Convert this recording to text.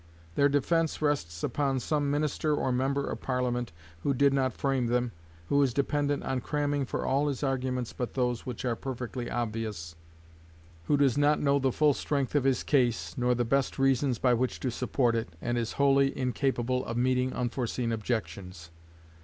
Their defense rests upon some minister or member of Parliament who did not frame them, who is dependent on cramming for all his arguments but those which are perfectly obvious, who does not know the full strength of his case, nor the best reasons by which to support it, and is wholly incapable of meeting unforeseen objections.